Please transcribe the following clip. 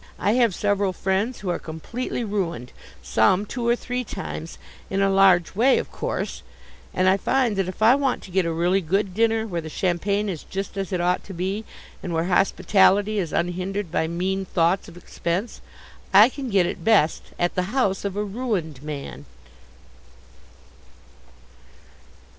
I have several friends who are completely ruined some two or three times in a large way of course; and I find that if I want to get a really good dinner, where the champagne is just as it ought to be, and where hospitality is unhindered by mean thoughts of expense, I can get it best at the house of a ruined man.